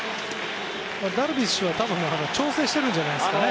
ダルビッシュは調整しているんじゃないですかね。